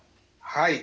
はい。